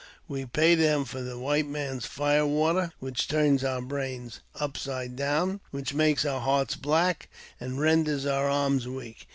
We pay them for the white man's fire water, which turns our brains upside down, which makes our hearts black, and renders our arms weak.